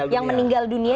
yang meninggal dunia